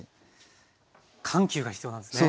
緩急が必要なんですね。